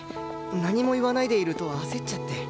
何も言わないでいると焦っちゃって。